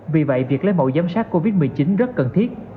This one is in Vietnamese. vì vậy việc lấy mẫu giám sát covid một mươi chín rất cần thiết